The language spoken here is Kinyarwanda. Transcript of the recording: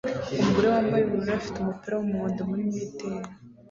Umugore wambaye ubururu afite umupira wumuhondo muri mitt ye